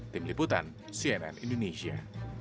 tim liputan cnn indonesia